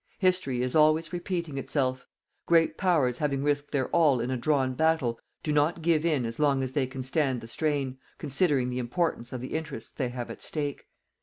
History is always repeating itself. Great Powers having risked their all in a drawn battle, do not give in as long as they can stand the strain, considering the importance of the interests they have at stake.